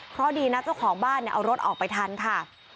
เพราะดีนะเจ้าของบ้านเอารถออกไปทันค่ะ